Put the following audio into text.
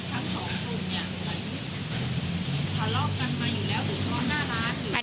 หรือเพราะหน้าร้าน